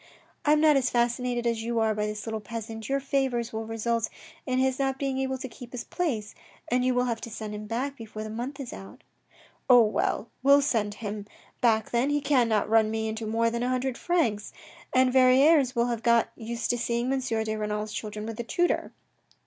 " I am not as fascinated as you are by this little peasant. Your favours will result in his not being able to keep his place, and you will have to send him back before the month is out." " Oh, well ! we'll send him back then, he cannot run me into more than a hundred francs, and Verrieres will have got used to seeing M. de Renal's children with a tutor.